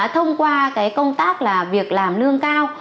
thông qua công tác là việc làm lương cao